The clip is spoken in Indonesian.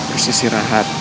bersih si rahat